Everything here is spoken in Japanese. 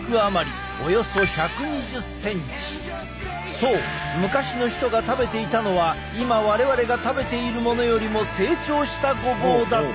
そう昔の人が食べていたのは今我々が食べているものよりも成長したごぼうだったのだ。